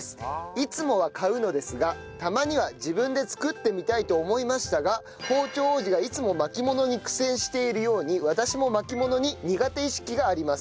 いつもは買うのですがたまには自分で作ってみたいと思いましたが包丁王子がいつも巻物に苦戦しているように私も巻物に苦手意識があります。